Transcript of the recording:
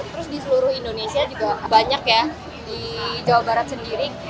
terus di seluruh indonesia juga banyak ya di jawa barat sendiri